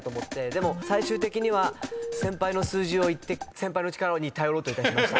でも最終的には先輩の数字を言って先輩の力に頼ろうといたしました。